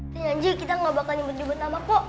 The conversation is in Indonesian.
saya janji kita enggak bakal nyebut nyebut nama kok